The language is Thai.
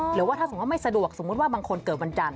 หรือว่าถ้าสมมุติไม่สะดวกสมมุติว่าบางคนเกิดวันจันท